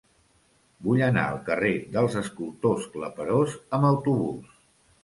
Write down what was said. Vull anar al carrer dels Escultors Claperós amb autobús.